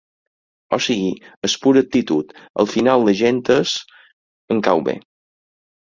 O sigui, és pura actitud, al final la gent és… Em cau bé.